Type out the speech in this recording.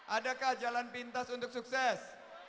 adakah jalan pintas untuk sukses